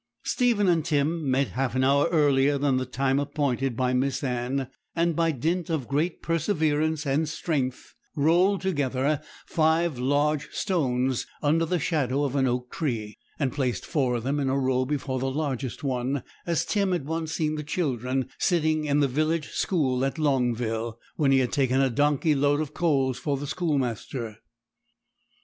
Stephen and Tim met half an hour earlier than the time appointed by Miss Anne, and by dint of great perseverance and strength rolled together five large stones, under the shadow of an oak tree; and placed four of them in a row before the largest one, as Tim had once seen the children sitting in the village school at Longville, when he had taken a donkey load of coals for the schoolmaster.